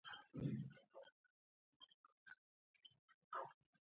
کابل ته سفرونه کړي